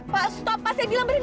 pak stop pak saya bilang berhenti